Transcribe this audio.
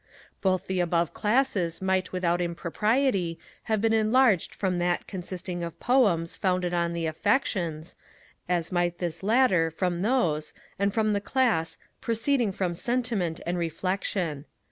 Both the above classes might without impropriety have been enlarged from that consisting of 'Poems founded on the Affections;' as might this latter from those, and from the class 'proceeding from Sentiment and Reflection.'